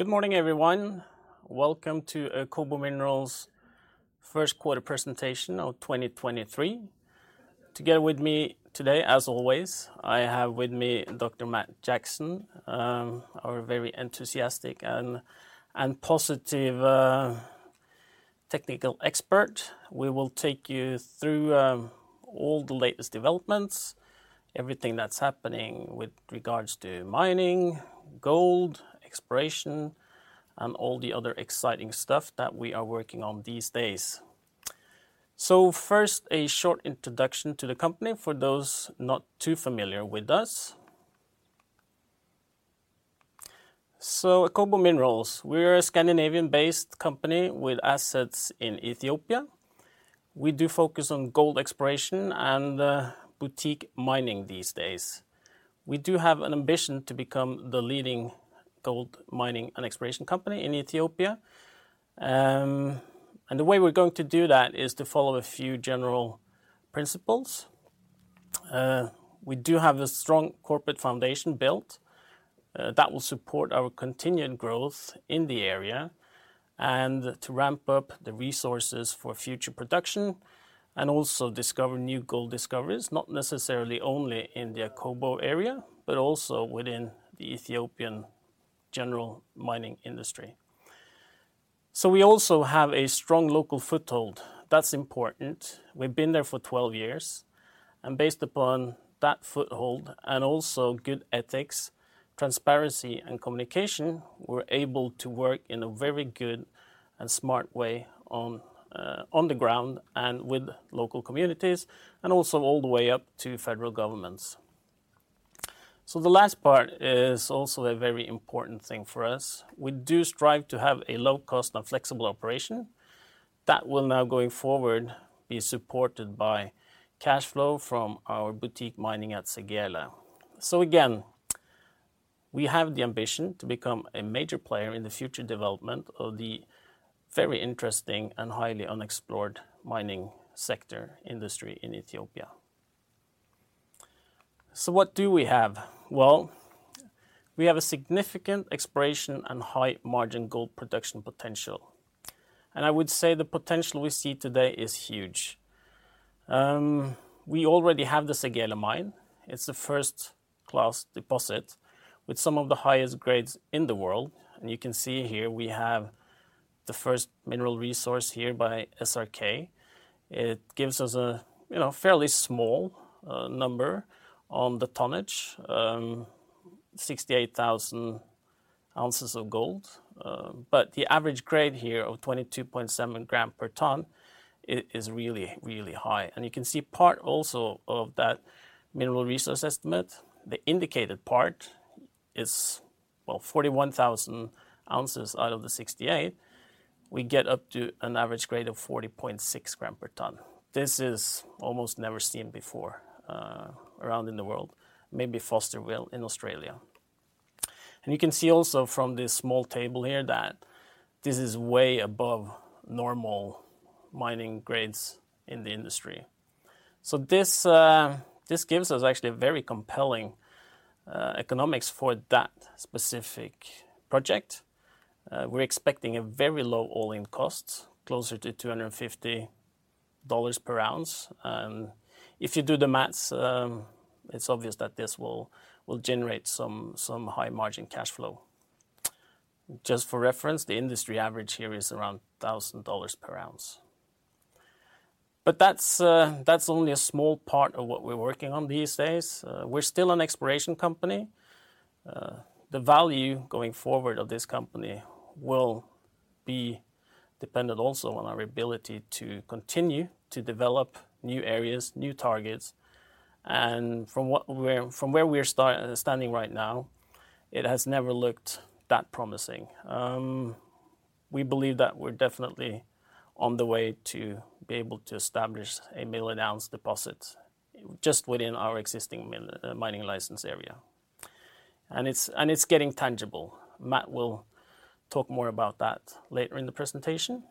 Good morning, everyone. Welcome to Akobo Minerals' Q1 presentation of 2023. Together with me today, as always, I have with me Dr. Matt Jackson, our very enthusiastic and positive technical expert. We will take you through all the latest developments, everything that's happening with regards to mining, gold, exploration, and all the other exciting stuff that we are working on these days. First, a short introduction to the company for those not too familiar with us. Akobo Minerals, we're a Scandinavian-based company with assets in Ethiopia. We do focus on gold exploration and boutique mining these days. We do have an ambition to become the leading gold mining and exploration company in Ethiopia. The way we're going to do that is to follow a few general principles. We do have a strong corporate foundation built that will support our continued growth in the area and to ramp up the resources for future production, and also discover new gold discoveries, not necessarily only in the Akobo area, but also within the Ethiopian general mining industry. We also have a strong local foothold. That's important. We've been there for 12 years, and based upon that foothold and also good ethics, transparency, and communication, we're able to work in a very good and smart way on the ground and with local communities, and also all the way up to federal governments. The last part is also a very important thing for us. We do strive to have a low cost and flexible operation that will now, going forward, be supported by cash flow from our boutique mining at Segele. Again, we have the ambition to become a major player in the future development of the very interesting and highly unexplored mining sector industry in Ethiopia. What do we have? Well, we have a significant exploration and high-margin gold production potential. I would say the potential we see today is huge. We already have the Segele mine. It's a first-class deposit with some of the highest grades in the world, and you can see here we have the first mineral resource here by SRK. It gives us a, you know, fairly small number on the tonnage, 68,000 ounces of gold. The average grade here of 22.7 gram per ton is really high. You can see part also of that mineral resource estimate, the indicated part is, well, 41,000 ounces out of the 68. We get up to an average grade of 40.6 gram per ton. This is almost never seen before around in the world, maybe Fosterville in Australia. You can see also from this small table here that this is way above normal mining grades in the industry. This gives us actually a very compelling economics for that specific project. We're expecting a very low all-in cost, closer to $250 per ounce. If you do the maths, it's obvious that this will generate some high-margin cash flow. Just for reference, the industry average here is around $1,000 per ounce. That's only a small part of what we're working on these days. We're still an exploration company. The value going forward of this company will be dependent also on our ability to continue to develop new areas, new targets, and from where we are standing right now, it has never looked that promising. We believe that we're definitely on the way to be able to establish a million-ounce deposit just within our existing mining license area, and it's getting tangible. Matt will talk more about that later in the presentation.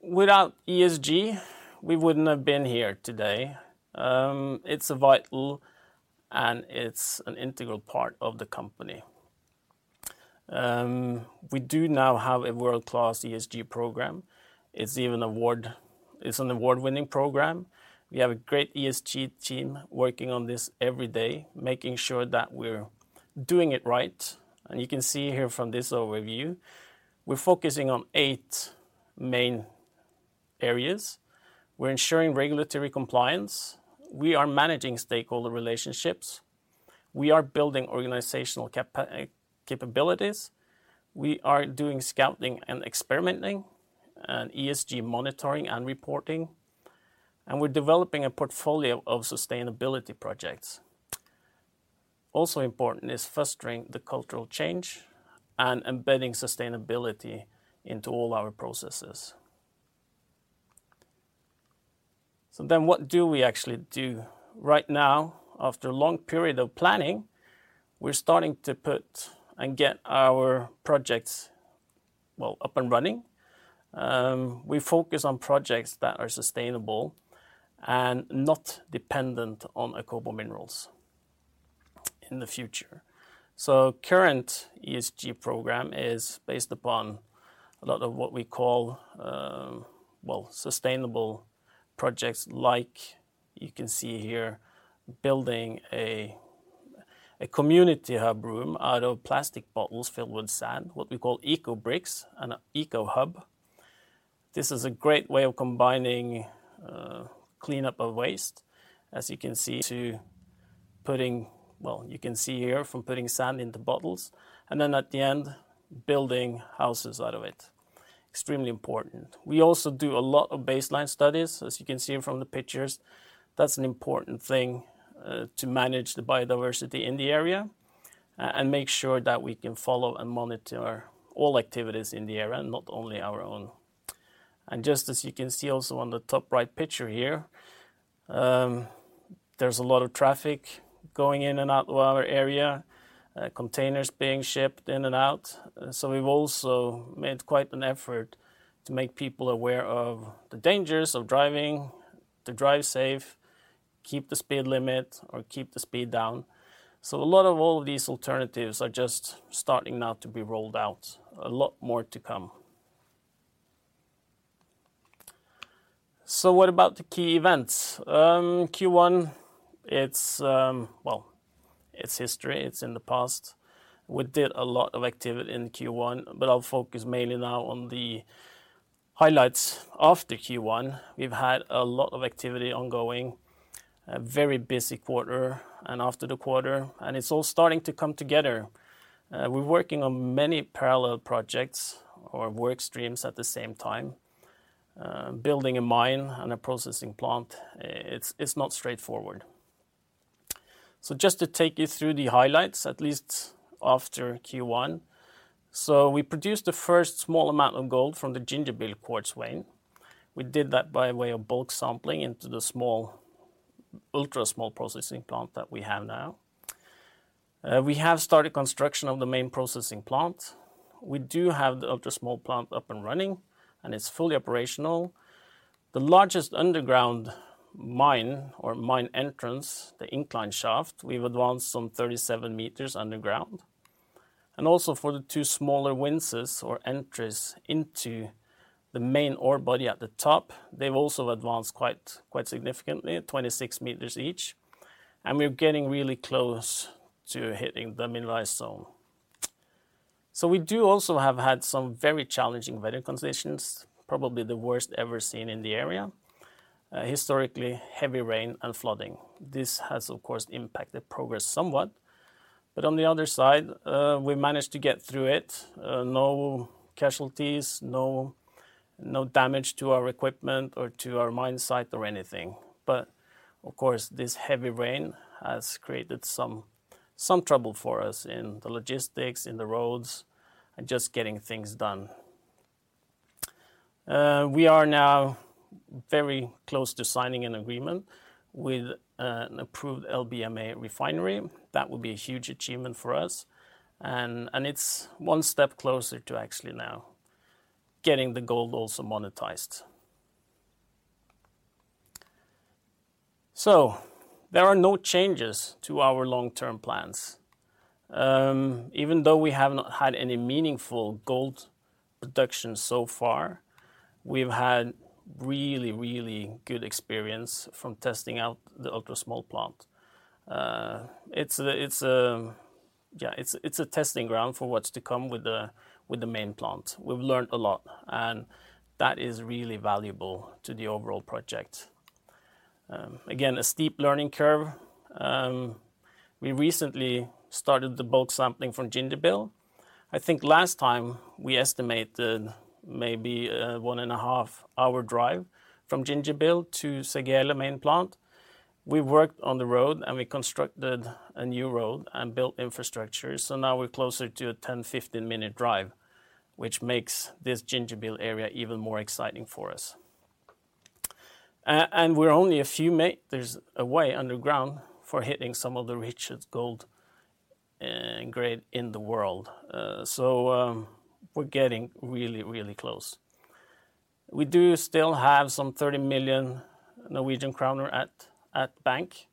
Without ESG, we wouldn't have been here today. It's a vital, and it's an integral part of the company. We do now have a world-class ESG program. It's an award-winning program. We have a great ESG team working on this every day, making sure that we're doing it right. You can see here from this overview, we're focusing on 8 main areas. We're ensuring regulatory compliance. We are managing stakeholder relationships. We are building organizational capabilities. We are doing scouting and experimenting, and ESG monitoring and reporting, and we're developing a portfolio of sustainability projects. Also important is fostering the cultural change and embedding sustainability into all our processes. What do we actually do? Right now, after a long period of planning, we're starting to put and get our projects up and running. We focus on projects that are sustainable and not dependent on Akobo Minerals in the future. Current ESG program is based upon a lot of what we call, well, sustainable projects like you can see here, building a community hub room out of plastic bottles filled with sand, what we call ecobricks and a eco hub. This is a great way of combining, cleanup of waste, as you can see, to putting sand into bottles, and then at the end, building houses out of it. Extremely important. We also do a lot of baseline studies, as you can see from the pictures. That's an important thing, to manage the biodiversity in the area, and make sure that we can follow and monitor all activities in the area, and not only our own. Just as you can see also on the top right picture here, there's a lot of traffic going in and out of our area, containers being shipped in and out. We've also made quite an effort to make people aware of the dangers of driving, to drive safe, keep the speed limit, or keep the speed down. A lot of all of these alternatives are just starting now to be rolled out. A lot more to come. What about the key events? Q1, it's, well, it's history, it's in the past. We did a lot of activity in Q1, but I'll focus mainly now on the highlights of the Q1. We've had a lot of activity ongoing, a very busy quarter and after the quarter, and it's all starting to come together. We're working on many parallel projects or work streams at the same time. Building a mine and a processing plant, it's not straightforward. Just to take you through the highlights, at least after Q1. We produced the first small amount of gold from the Gingerbil quartz vein. We did that by way of bulk sampling into the small, ultra-small processing plant that we have now. We have started construction of the main processing plant. We do have the ultra-small plant up and running, and it's fully operational. The largest underground mine or mine entrance, the incline shaft, we've advanced some 37 meters underground. Also for the two smaller winzes or entries into the main ore body at the top, they've also advanced quite significantly, 26 meters each, and we're getting really close to hitting the mineralized zone. We do also have had some very challenging weather conditions, probably the worst ever seen in the area. Historically, heavy rain and flooding. This has, of course, impacted progress somewhat, but on the other side, we managed to get through it. No casualties, no damage to our equipment or to our mine site or anything. Of course, this heavy rain has created some trouble for us in the logistics, in the roads, and just getting things done. We are now very close to signing an agreement with an approved LBMA refinery. That would be a huge achievement for us, and it's one step closer to actually now getting the gold also monetized. There are no changes to our long-term plans. Even though we have not had any meaningful gold production so far, we've had really good experience from testing out the ultra-small plant. It's a testing ground for what's to come with the main plant. We've learned a lot, and that is really valuable to the overall project. Again, a steep learning curve. We recently started the bulk sampling from Gingerbil. I think last time we estimated maybe a one and a half-hour drive from Gingerbil to Segele Main Plant. We worked on the road, we constructed a new road and built infrastructure, now we're closer to a 10-15-minute drive, which makes this Gingerbil area even more exciting for us. We're only a few meters away underground for hitting some of the richest gold grade in the world. We're getting really, really close. We do still have some 30 million Norwegian kroner at bank.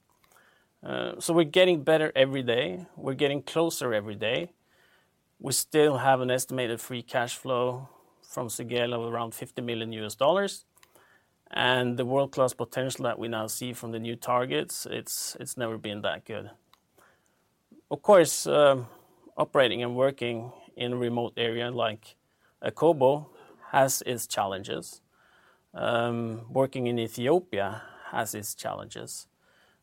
We're getting better every day. We're getting closer every day. We still have an estimated free cash flow from Segele of around $50 million, the world-class potential that we now see from the new targets, it's never been that good. Of course, operating and working in a remote area like Akobo has its challenges. Working in Ethiopia has its challenges.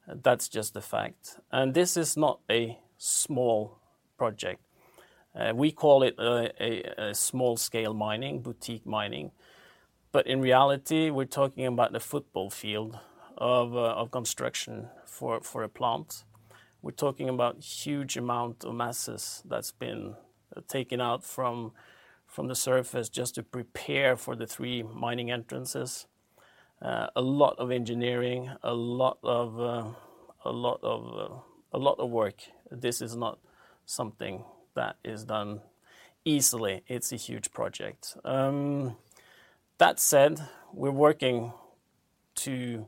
That's just a fact. This is not a small project. We call it a small-scale mining, boutique mining, but in reality, we're talking about the football field of construction for a plant. We're talking about huge amount of masses that's been taken out from the surface just to prepare for the 3 mining entrances. A lot of engineering, a lot of, a lot of, a lot of work. This is not something that is done easily. It's a huge project. That said, we're working to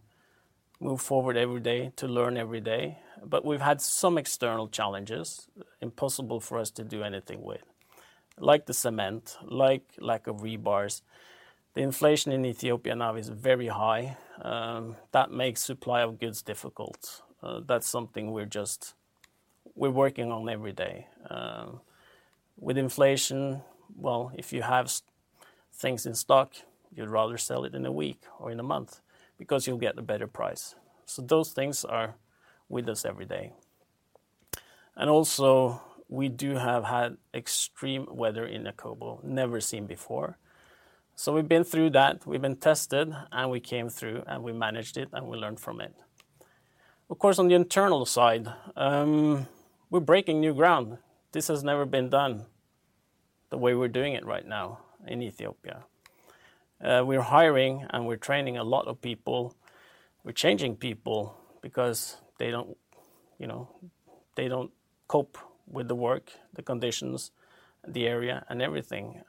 move forward every day, to learn every day, but we've had some external challenges, impossible for us to do anything with, like the cement, like lack of rebars. The inflation in Ethiopia now is very high. That makes supply of goods difficult. That's something we're working on every day. With inflation, well, if you have things in stock, you'd rather sell it in a week or in a month because you'll get a better price. Those things are with us every day. Also, we do have had extreme weather in Akobo, never seen before. We've been through that, we've been tested, and we came through, and we managed it, and we learned from it. Of course, on the internal side, we're breaking new ground. This has never been done the way we're doing it right now in Ethiopia. We're hiring and we're training a lot of people. We're changing people because they don't, you know, they don't cope with the work, the conditions, the area, and everything.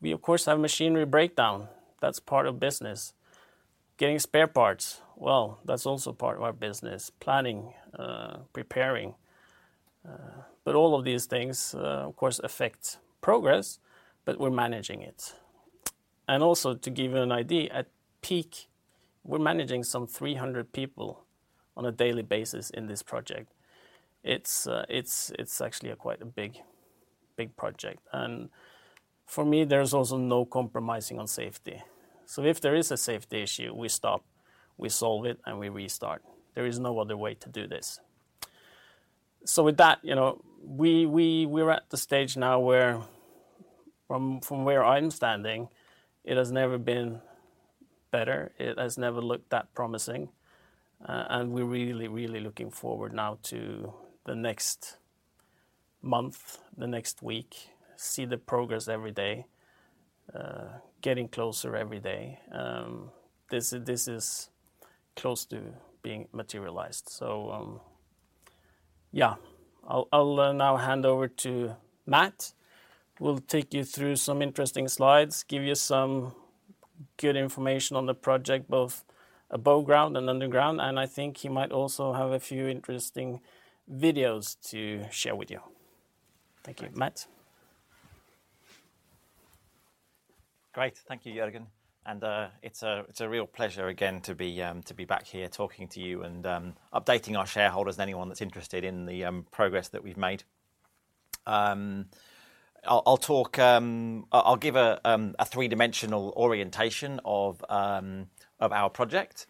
We, of course, have machinery breakdown. That's part of business. Getting spare parts, well, that's also part of our business. Planning, preparing. All of these things, of course, affect progress, but we're managing it. To give you an idea, at peak, we're managing some 300 people on a daily basis in this project. It's actually a quite a big project. For me, there's also no compromising on safety. If there is a safety issue, we stop, we solve it, and we restart. There is no other way to do this. With that, you know, we're at the stage now where, from where I'm standing, it has never been better, it has never looked that promising, and we're really, really looking forward now to the next month, the next week, see the progress every day, getting closer every day. This is close to being materialized. Yeah, I'll now hand over to Matt, who will take you through some interesting slides, give you some good information on the project, both above ground and underground, and I think he might also have a few interesting videos to share with you. Thank you. Matt? Great. Thank you, Jørgen. It's a real pleasure again, to be back here talking to you and updating our shareholders and anyone that's interested in the progress that we've made. I'll give a three-dimensional orientation of our project,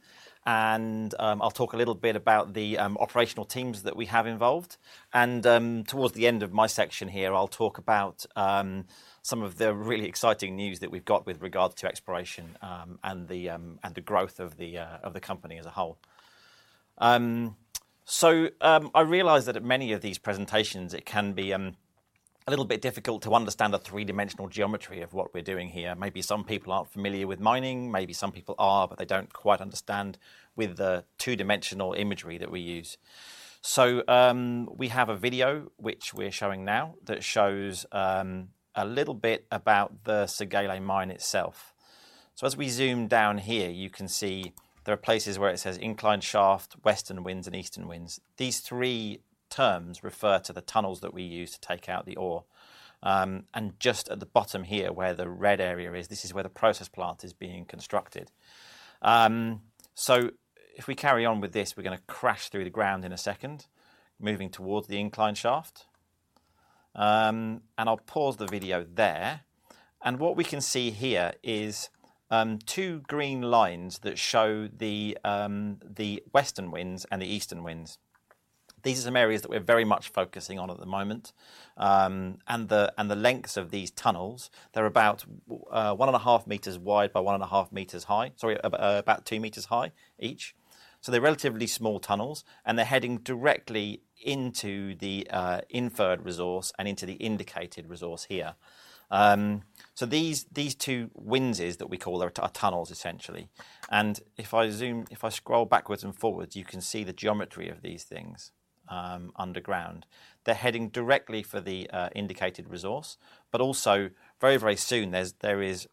and I'll talk a little bit about the operational teams that we have involved. Towards the end of my section here, I'll talk about some of the really exciting news that we've got with regard to exploration and the growth of the company as a whole. I realize that at many of these presentations, it can be a little bit difficult to understand the three-dimensional geometry of what we're doing here. Maybe some people aren't familiar with mining, maybe some people are, but they don't quite understand with the two-dimensional imagery that we use. We have a video, which we're showing now, that shows a little bit about the Segele Mine itself. As we zoom down here, you can see there are places where it says inclined shaft, Western Winze, and Eastern Winze. These three terms refer to the tunnels that we use to take out the ore. Just at the bottom here, where the red area is, this is where the process plant is being constructed. If we carry on with this, we're gonna crash through the ground in a second, moving towards the inclined shaft. I'll pause the video there. What we can see here is 2 green lines that show the Western Winze and the Eastern Winze. These are some areas that we're very much focusing on at the moment. The lengths of these tunnels, they're about 1.5 m wide by 1.5 m high, sorry, about 2 m high each. They're relatively small tunnels, and they're heading directly into the inferred resource and into the indicated resource here. These 2 winzes is, that we call they're tunnels, essentially. If I scroll backwards and forwards, you can see the geometry of these things underground. They're heading directly for the indicated resource, but also very, very soon, there is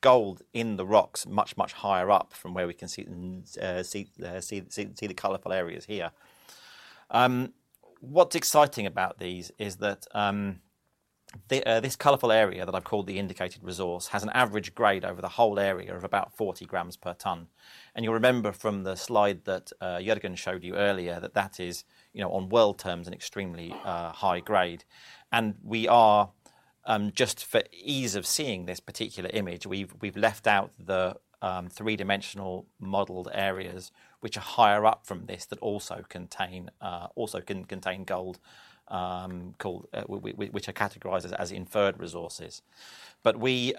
gold in the rocks, much, much higher up from where we can see the colorful areas here. What's exciting about these is that the this colorful area that I've called the indicated resource, has an average grade over the whole area of about 40 grams per ton. You'll remember from the slide that Jørgen showed you earlier, that that is, you know, on world terms, an extremely high grade. We are just for ease of seeing this particular image, we've left out the three-dimensional modeled areas which are higher up from this that also can contain gold, which are categorized as inferred resources. We,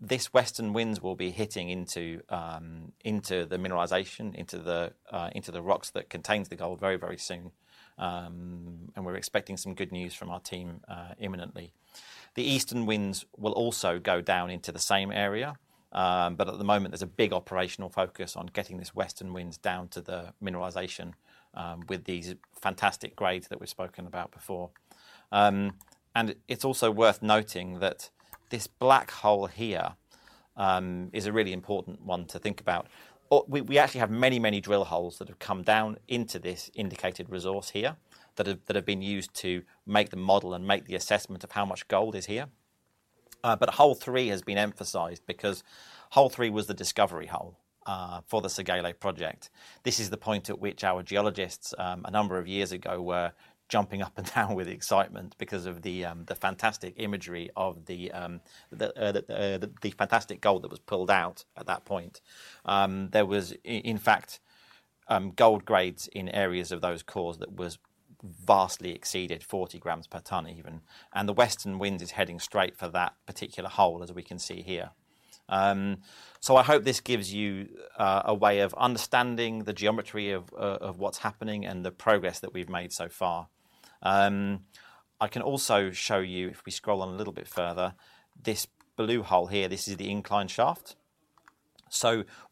this Western Winze will be hitting into the mineralization, into the rocks that contains the gold very, very soon. We're expecting some good news from our team imminently. The Eastern Winze will also go down into the same area. At the moment, there's a big operational focus on getting this Western Winze down to the mineralization, with these fantastic grades that we've spoken about before. It's also worth noting that this black hole here is a really important one to think about. We actually have many, many drill holes that have come down into this indicated resource here, that have been used to make the model and make the assessment of how much gold is here. Hole three has been emphasized because hole three was the discovery hole for the Segele Project. This is the point at which our geologists, a number of years ago, were jumping up and down with excitement because of the fantastic imagery of the fantastic gold that was pulled out at that point. There was in fact, gold grades in areas of those cores that was vastly exceeded 40 grams per tonne even. The Western Winze is heading straight for that particular hole, as we can see here. I hope this gives you a way of understanding the geometry of what's happening and the progress that we've made so far. I can also show you, if we scroll on a little bit further, this blue hole here, this is the incline shaft.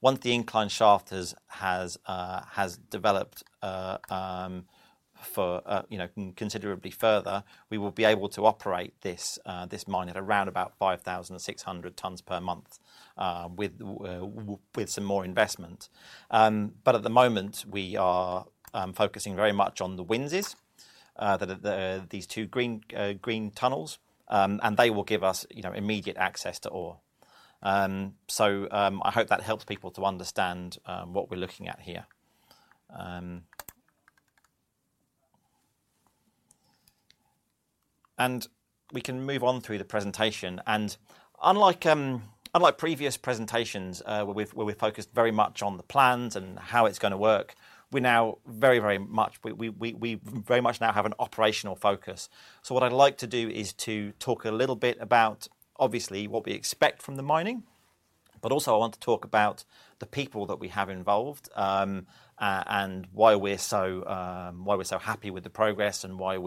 Once the incline shaft has developed, for, you know, considerably further, we will be able to operate this mine at around about 5,600 tons per month, with some more investment. At the moment, we are focusing very much on the winzes, the these two green tunnels. They will give us, you know, immediate access to ore. I hope that helps people to understand what we're looking at here. We can move on through the presentation, and unlike previous presentations, where we focused very much on the plans and how it's gonna work, we now very, very much we very much now have an operational focus. What I'd like to do is to talk a little bit about, obviously, what we expect from the mining, but also I want to talk about the people that we have involved, and why we're so happy with the progress and why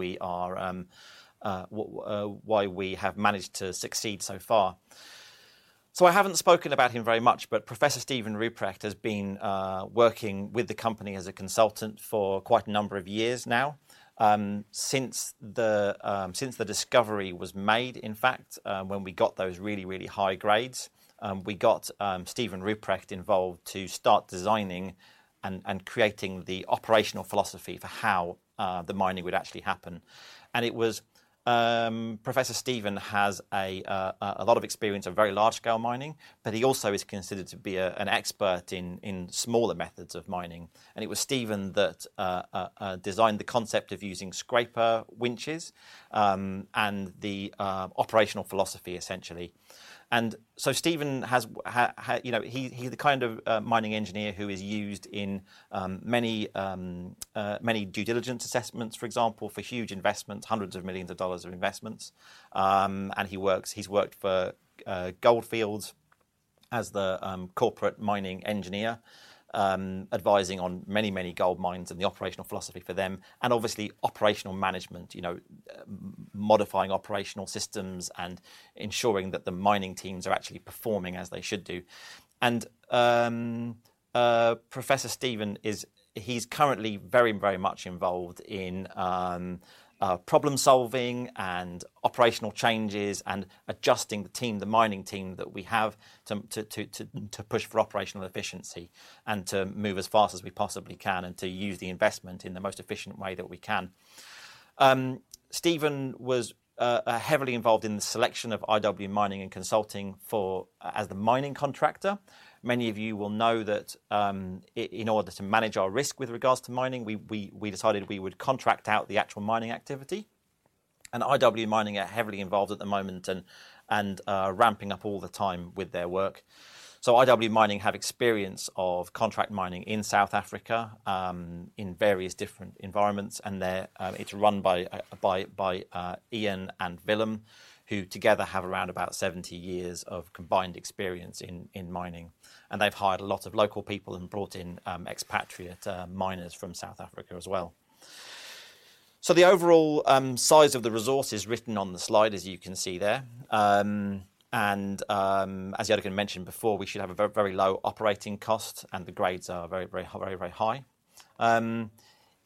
we have managed to succeed so far. I haven't spoken about him very much, but Professor Stephen Rupprecht has been working with the company as a consultant for quite a number of years now. Since the discovery was made, in fact, when we got those really, really high grades, we got Steven Rupprecht involved to start designing and creating the operational philosophy for how the mining would actually happen. Professor Steven has a lot of experience of very large-scale mining, but he also is considered to be an expert in smaller methods of mining. It was Steven that designed the concept of using scraper winches and the operational philosophy, essentially. Steven has you know, he's the kind of mining engineer who is used in many due diligence assessments, for example, for huge investments, hundreds of millions of dollars of investments. He's worked for Gold Fields as the corporate mining engineer, advising on many, many gold mines and the operational philosophy for them, and obviously, operational management. You know, modifying operational systems and ensuring that the mining teams are actually performing as they should do. Professor Stephen. He's currently very, very much involved in problem-solving and operational changes and adjusting the team, the mining team that we have, to push for operational efficiency, and to move as fast as we possibly can, and to use the investment in the most efficient way that we can. Stephen was heavily involved in the selection of IW Mining Services as the mining contractor. Many of you will know that, in order to manage our risk with regards to mining, we decided we would contract out the actual mining activity. IW Mining are heavily involved at the moment and ramping up all the time with their work. IW Mining have experience of contract mining in South Africa, in various different environments, and it's run by Ian and Willem, who together have around about 70 years of combined experience in mining. They've hired a lot of local people and brought in expatriate miners from South Africa as well. The overall size of the resource is written on the slide, as you can see there. As I mentioned before, we should have a very, very low operating cost, and the grades are very, very, very, very high.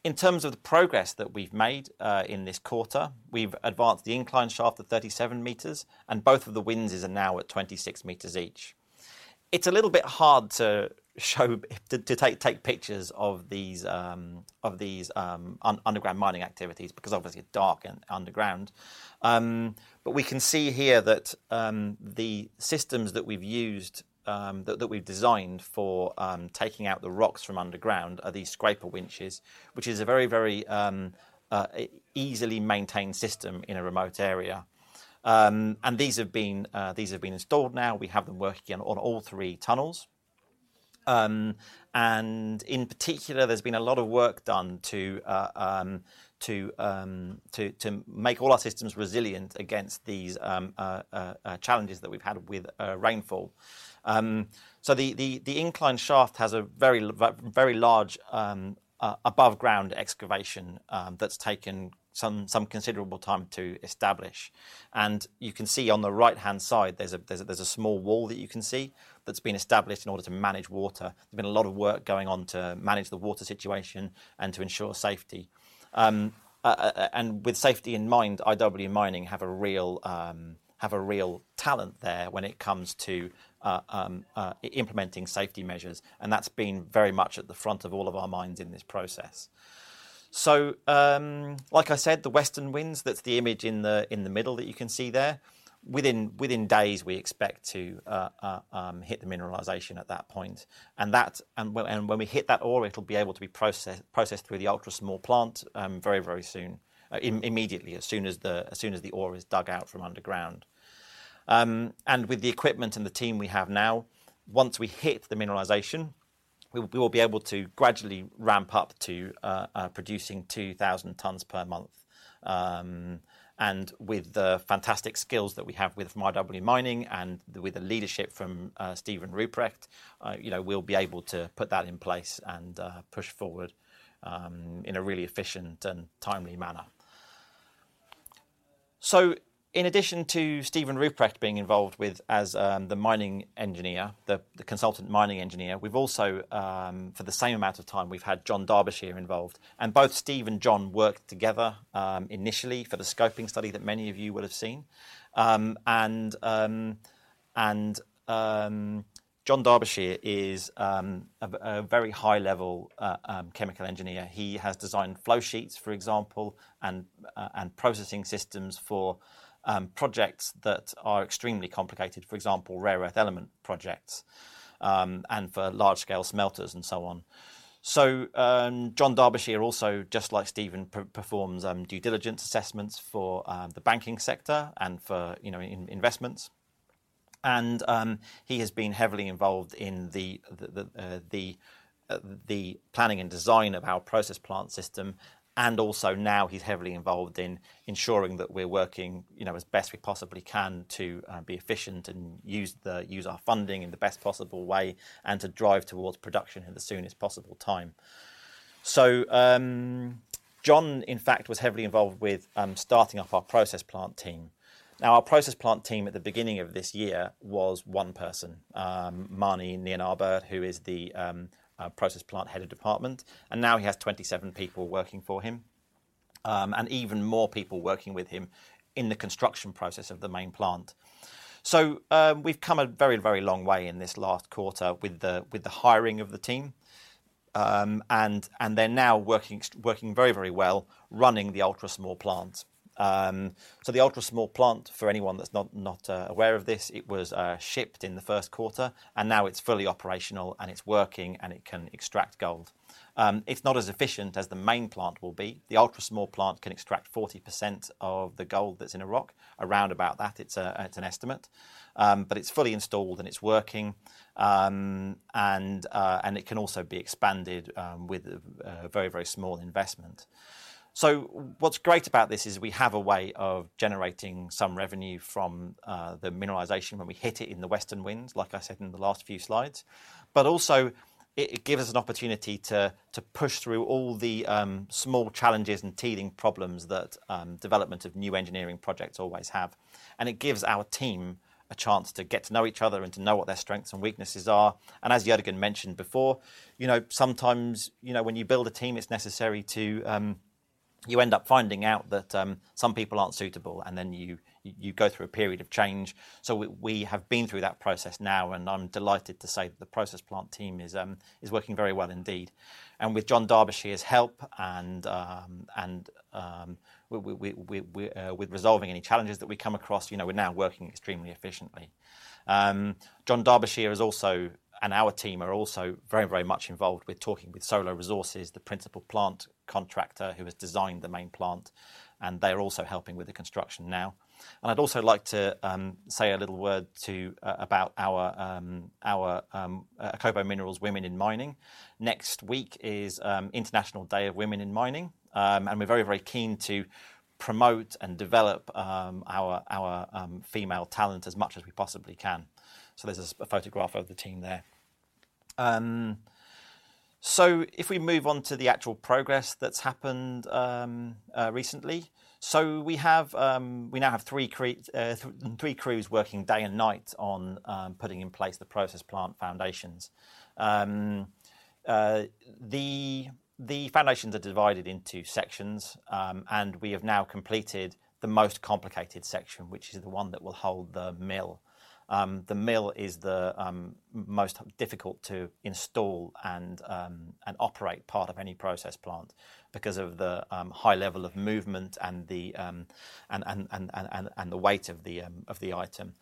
In terms of the progress that we've made, in this quarter, we've advanced the incline shaft to 37 meters, and both of the winzes are now at 26 meters each. It's a little bit hard to show, to take pictures of these, of these, underground mining activities, because obviously, it's dark and underground. We can see here that the systems that we've used, that we've designed for taking out the rocks from underground are these scraper winches, which is a very, very easily maintained system in a remote area. These have been installed now. We have them working on all three tunnels.... In particular, there's been a lot of work done to make all our systems resilient against these challenges that we've had with rainfall. The incline shaft has a very large above ground excavation that's taken some considerable time to establish. You can see on the right-hand side, there's a small wall that you can see that's been established in order to manage water. There's been a lot of work going on to manage the water situation and to ensure safety. And with safety in mind, IW Mining have a real talent there when it comes to implementing safety measures, and that's been very much at the front of all of our minds in this process. Like I said, the Western Winze, that's the image in the middle that you can see there. Within days, we expect to hit the mineralization at that point. And when we hit that ore, it'll be able to be processed through the ultra-small plant, very, very soon, immediately, as soon as the ore is dug out from underground. With the equipment and the team we have now, once we hit the mineralization, we will be able to gradually ramp up to producing 2,000 tonnes per month. With the fantastic skills that we have with from IW Mining and with the leadership from Steven Rupprecht, you know, we'll be able to put that in place and push forward in a really efficient and timely manner. In addition to Steven Rupprecht being involved with as the mining engineer, the consultant mining engineer, we've also for the same amount of time, we've had John Derbyshire involved, and both Steve and John worked together initially for the scoping study that many of you will have seen. John Derbyshire is a very high-level chemical engineer. He has designed flowsheets, for example, and processing systems for projects that are extremely complicated, for example, rare earth element projects, and for large-scale smelters and so on. John Derbyshire, also, just like Steven, performs due diligence assessments for the banking sector and for, you know, in investments. He has been heavily involved in the planning and design of our process plant system, and also now he's heavily involved in ensuring that we're working, you know, as best we possibly can to be efficient and use our funding in the best possible way, and to drive towards production at the soonest possible time. John, in fact, was heavily involved with starting off our process plant team. Our process plant team at the beginning of this year was 1 person, Manie Nienaber, who is the process plant head of department, and now he has 27 people working for him, and even more people working with him in the construction process of the main plant. We've come a very long way in this last quarter with the hiring of the team, and they're now working very well, running the ultra-small plant. The ultra-small plant, for anyone that's not aware of this, it was shipped in the Q1, and now it's fully operational and it's working and it can extract gold. It's not as efficient as the main plant will be. The ultra-small plant can extract 40% of the gold that's in a rock, around about that. It's an estimate, but it's fully installed and it's working. It can also be expanded with a very, very small investment. What's great about this is we have a way of generating some revenue from the mineralization when we hit it in the Western Winzes, like I said in the last few slides, but also it gives us an opportunity to push through all the small challenges and teething problems that development of new engineering projects always have. It gives our team a chance to get to know each other and to know what their strengths and weaknesses are. As Jørgen mentioned before, you know, sometimes, you know, when you build a team, it's necessary to. You end up finding out that some people aren't suitable, and then you go through a period of change. We have been through that process now, and I'm delighted to say that the process plant team is working very well indeed. With John Derbyshire's help and we with resolving any challenges that we come across, you know, we're now working extremely efficiently. John Derbyshire is also, and our team are also very, very much involved with talking with Solo Resources, the principal plant contractor who has designed the main plant, and they are also helping with the construction now. I'd also like to say a little word about our Akobo Minerals Women in Mining. Next week is International Day of Women in Mining, and we're very, very keen to promote and develop our female talent as much as we possibly can. This is a photograph of the team there. If we move on to the actual progress that's happened recently. We have, we now have 3 crews working day and night on putting in place the process plant foundations. The foundations are divided into sections, and we have now completed the most complicated section, which is the one that will hold the mill. The mill is the most difficult to install and operate part of any process plant because of the high level of movement and the weight of the item.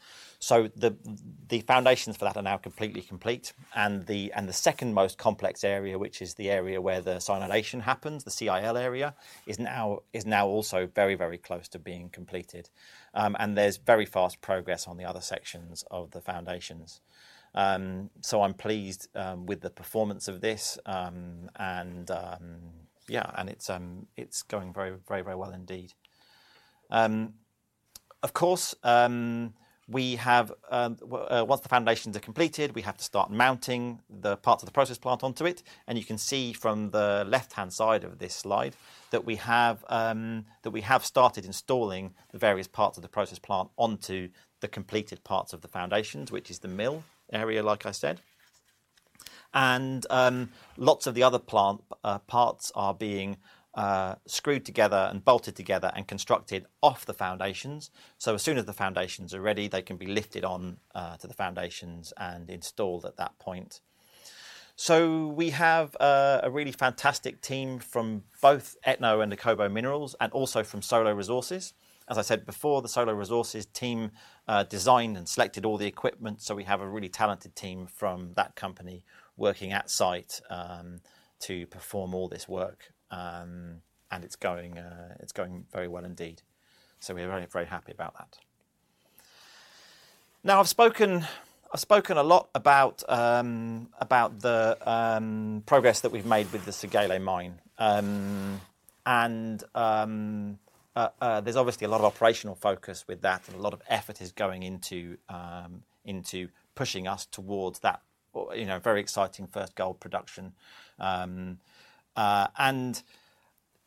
The foundations for that are now completely complete, and the second most complex area, which is the area where the cyanidation happens, the CIL area, is now also very, very close to being completed. There's very fast progress on the other sections of the foundations. I'm pleased with the performance of this, and it's going very, very, very well indeed. Of course, once the foundations are completed, we have to start mounting the parts of the process plant onto it. You can see from the left-hand side of this slide, that we have, that we have started installing the various parts of the process plant onto the completed parts of the foundations, which is the mill area, like I said. Lots of the other plant parts are being screwed together and bolted together and constructed off the foundations. As soon as the foundations are ready, they can be lifted on to the foundations and installed at that point. We have a really fantastic team from both Etno and Akobo Minerals, and also from Solo Resources. As I said before, the Solo Resources team designed and selected all the equipment, so we have a really talented team from that company working at site to perform all this work. It's going very well indeed. We're very, very happy about that. Now, I've spoken a lot about the progress that we've made with the Segele mine. There's obviously a lot of operational focus with that, and a lot of effort is going into pushing us towards that, or, you know, very exciting first gold production.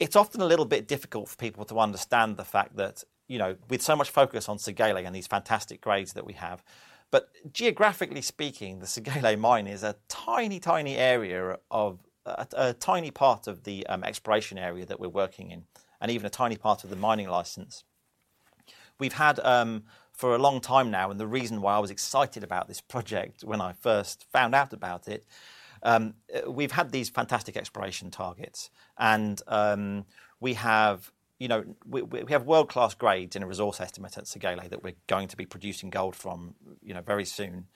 It's often a little bit difficult for people to understand the fact that, you know, with so much focus on Segele and these fantastic grades that we have, but geographically speaking, the Segele mine is a tiny area of a tiny part of the exploration area that we're working in, and even a tiny part of the mining license. We've had for a long time now, and the reason why I was excited about this project when I first found out about it, we've had these fantastic exploration targets, and we have, you know, we have world-class grades in a resource estimate at Segele that we're going to be producing gold from, you know, very soon.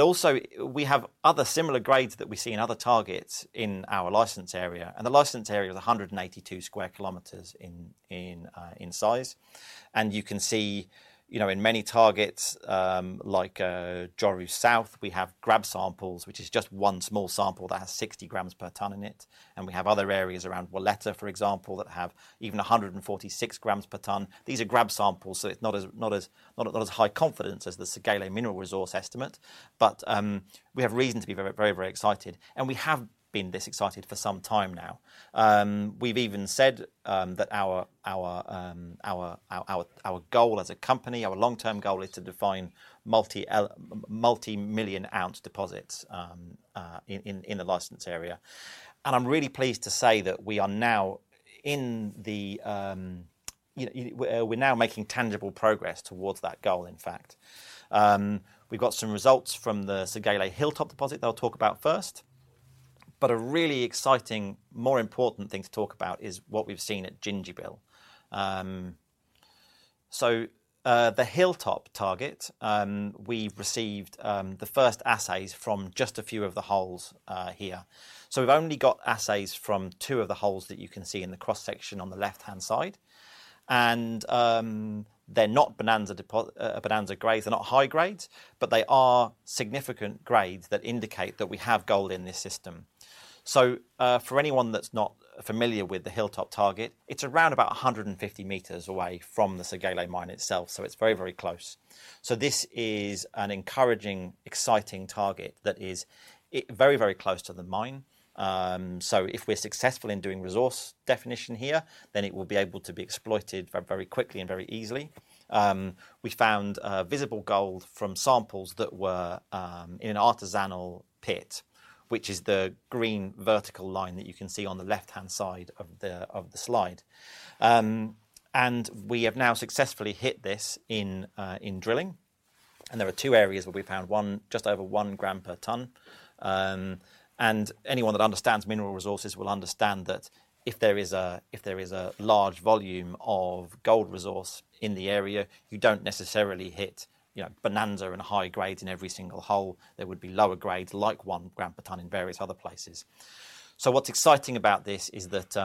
Also, we have other similar grades that we see in other targets in our license area, and the license area is 182 square kilometers in size. You can see, you know, in many targets, like Joru South, we have grab samples, which is just one small sample that has 60 grams per tonne in it, and we have other areas around Waletta, for example, that have even 146 grams per tonne. These are grab samples, so it's not as high confidence as the Segele mineral resource estimate, but, we have reason to be very excited, and we have been this excited for some time now. We've even said that our goal as a company, our long-term goal is to define multi-million-ounce deposits in the license area. I'm really pleased to say that we are now in the, you know, we're now making tangible progress towards that goal, in fact. We've got some results from the Segele Hilltop deposit that I'll talk about first, but a really exciting, more important thing to talk about is what we've seen at Gingerbil. The Hilltop target, we've received the first assays from just a few of the holes here. We've only got assays from two of the holes that you can see in the cross-section on the left-hand side. They're not bonanza grades, they're not high grades, but they are significant grades that indicate that we have gold in this system. For anyone that's not familiar with the Hilltop target, it's around about 150 meters away from the Segele mine itself, so it's very, very close. This is an encouraging, exciting target that is very, very close to the mine. If we're successful in doing resource definition here, then it will be able to be exploited very, very quickly and very easily. We found visible gold from samples that were in an artisanal pit, which is the green vertical line that you can see on the left-hand side of the slide. We have now successfully hit this in drilling, there are 2 areas where we found 1, just over 1 gram per ton. Anyone that understands mineral resources will understand that if there is a large volume of gold resource in the area, you don't necessarily hit, you know, bonanza and high grades in every single hole. There would be lower grades, like 1 gram per ton in various other places. What's exciting about this is that,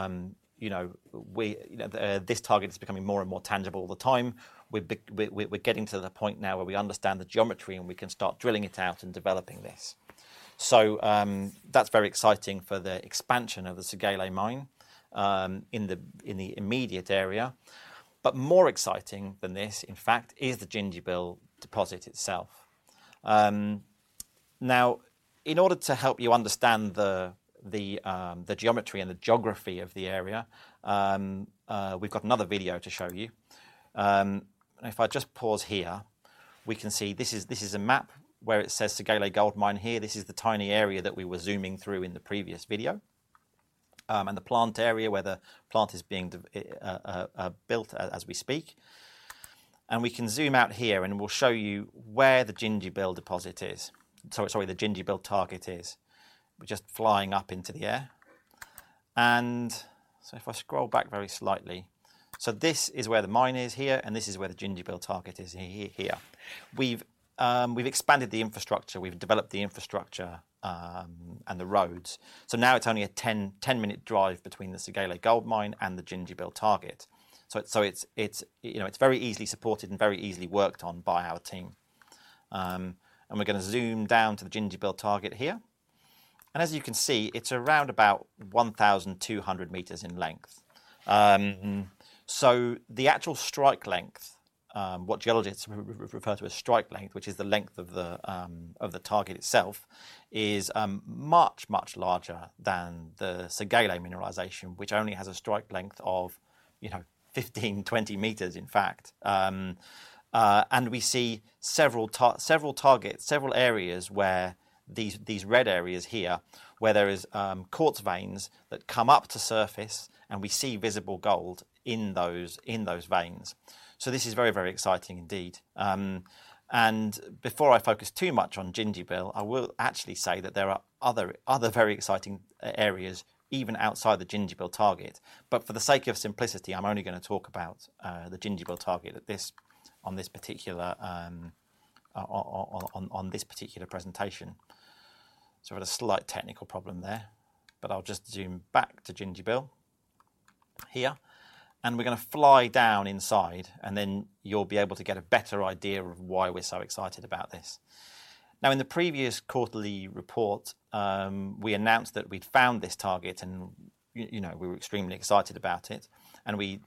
you know, we, you know, this target is becoming more and more tangible all the time. We're getting to the point now where we understand the geometry, and we can start drilling it out and developing this. That's very exciting for the expansion of the Segele mine in the immediate area. More exciting than this, in fact, is the Gingerbil deposit itself. Now, in order to help you understand the geometry and the geography of the area, we've got another video to show you. If I just pause here, we can see this is a map where it says Segele Gold Mine here. This is the tiny area that we were zooming through in the previous video. The plant area, where the plant is being built as we speak. We can zoom out here, and we'll show you where the Gingerbil deposit is. Sorry, the Gingerbil target is. We're just flying up into the air. If I scroll back very slightly. This is where the mine is here, and this is where the Gingerbil target is, here. We've, we've expanded the infrastructure, we've developed the infrastructure, and the roads. Now it's only a 10-minute drive between the Segele Gold Mine and the Gingerbil target. So it's, you know, it's very easily supported and very easily worked on by our team. We're gonna zoom down to the Gingerbil target here. As you can see, it's around about 1,200 meters in length. The actual strike length, what geologists refer to as strike length, which is the length of the target itself, is much, much larger than the Segele mineralization, which only has a strike length of, you know, 15, 20 meters, in fact. We see several targets, several areas where, these red areas here, where there is quartz veins that come up to surface, and we see visible gold in those, in those veins. This is very, very exciting indeed. Before I focus too much on Gingerbil, I will actually say that there are other very exciting areas even outside the Gingerbil target. For the sake of simplicity, I'm only gonna talk about the Gingerbil target at this, on this particular presentation. Sorry, I had a slight technical problem there, but I'll just zoom back to Gingerbil here, and we're gonna fly down inside, and then you'll be able to get a better idea of why we're so excited about this. In the previous quarterly report, we announced that we'd found this target, and, you know, we were extremely excited about it, and we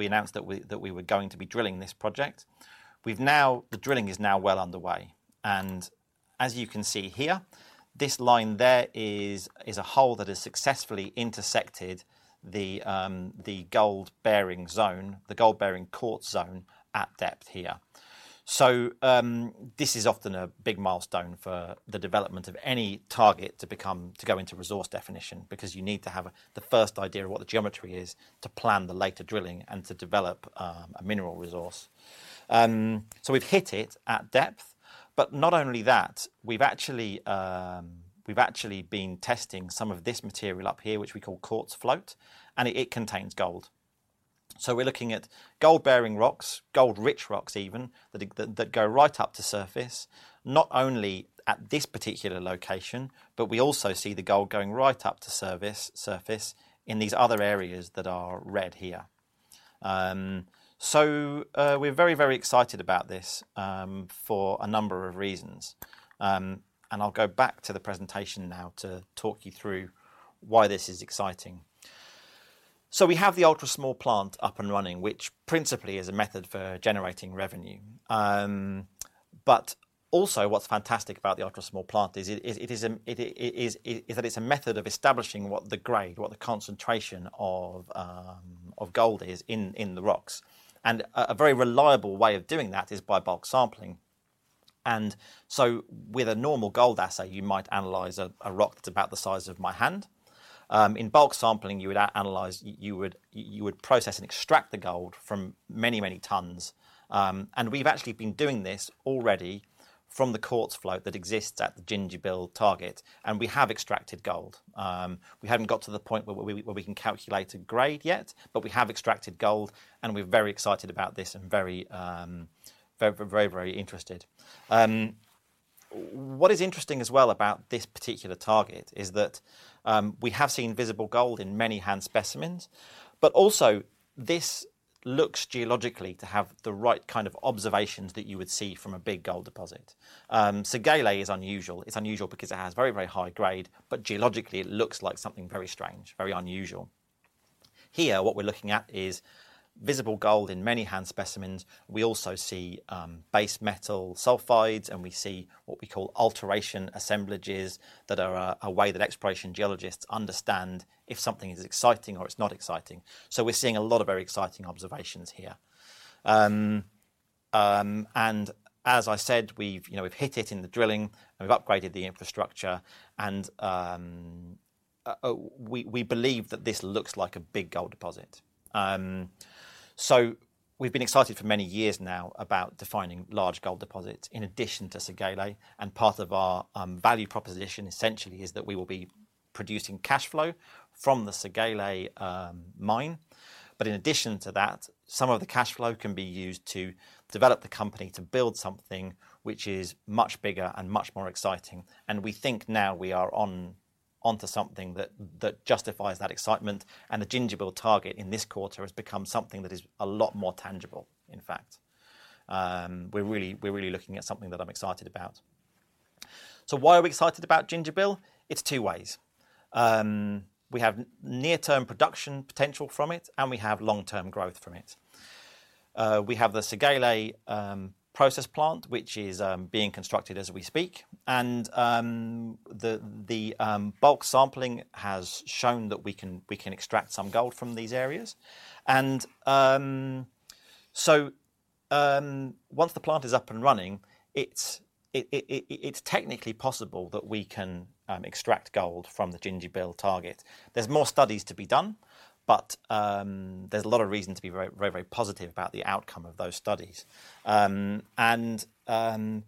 announced that we, that we were going to be drilling this project. We've now. The drilling is now well underway, and as you can see here, this line there is a hole that has successfully intersected the gold-bearing zone, the gold-bearing quartz zone, at depth here. This is often a big milestone for the development of any target to go into resource definition, because you need to have a, the first idea of what the geometry is, to plan the later drilling and to develop a mineral resource. We've hit it at depth, but not only that, we've actually, we've actually been testing some of this material up here, which we call quartz float, and it contains gold. We're looking at gold-bearing rocks, gold-rich rocks even, that go right up to surface, not only at this particular location, but we also see the gold going right up to surface in these other areas that are red here. We're very, very excited about this for a number of reasons. I'll go back to the presentation now to talk you through why this is exciting. We have the ultra-small plant up and running, which principally is a method for generating revenue. Also what's fantastic about the ultra-small plant is it's a method of establishing what the grade or the concentration of gold is in the rocks. A very reliable way of doing that is by bulk sampling. With a normal gold assay, you might analyze a rock that's about the size of my hand. In bulk sampling, you would process and extract the gold from many tons. We've actually been doing this already from the quartz float that exists at the Gingerbil target. We have extracted gold. We haven't got to the point where we can calculate a grade yet. We have extracted gold. We're very excited about this and very interested. What is interesting as well about this particular target is that we have seen visible gold in many hand specimens. Also, this looks geologically to have the right kind of observations that you would see from a big gold deposit. Segele is unusual. It's unusual because it has very high grade. Geologically, it looks like something very strange, very unusual. Here, what we're looking at is visible gold in many hand specimens. We also see base metal sulphides, and we see what we call alteration assemblages, that are a way that exploration geologists understand if something is exciting or it's not exciting. We're seeing a lot of very exciting observations here. As I said, we've, you know, we've hit it in the drilling, and we've upgraded the infrastructure, and we believe that this looks like a big gold deposit. We've been excited for many years now about defining large gold deposits in addition to Segele, and part of our value proposition, essentially, is that we will be producing cash flow from the Segele mine. In addition to that, some of the cash flow can be used to develop the company to build something which is much bigger and much more exciting. We think now we are on to something that justifies that excitement, the Gingerbil target in this quarter has become something that is a lot more tangible, in fact. We're really looking at something that I'm excited about. Why are we excited about Gingerbil? It's two ways. We have near-term production potential from it, and we have long-term growth from it. We have the Segele process plant, which is being constructed as we speak, and the bulk sampling has shown that we can extract some gold from these areas. Once the plant is up and running, it's technically possible that we can extract gold from the Gingerbil target. There's more studies to be done. There's a lot of reason to be very, very, very positive about the outcome of those studies. Because the